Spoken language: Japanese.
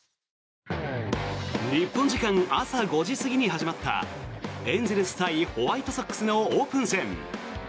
日本時間朝５時過ぎに始まったエンゼルス対ホワイトソックスのオープン戦。